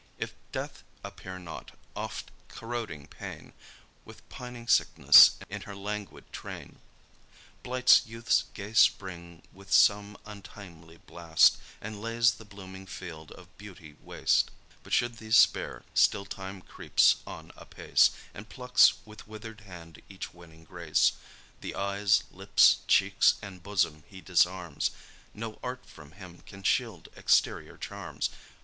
If death appear not, oft corroding pain, With pining sickness in her languid train, Blights youth's gay spring with some untimely blast, And lays the blooming field of beauty waste; But should these spare, still time creeps on apace, And plucks with wither'd hand each winning grace; The eyes, lips, cheeks, and bosom he disarms, No art from him can shield exterior charms.